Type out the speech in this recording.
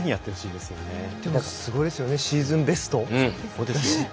でも、すごいですよねシーズンベスト。